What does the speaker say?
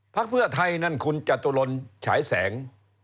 เพื่อไทยนั่นคุณจตุรนฉายแสง